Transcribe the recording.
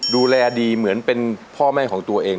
ดูแลดีเหมือนเป็นพ่อแม่ของตัวเอง